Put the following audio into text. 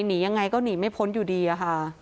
หนียังไงก็หนีไม่พ้นอยู่ดีอะค่ะ